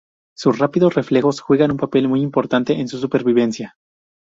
Sus rápidos reflejos juegan un papel muy importante en su supervivencia.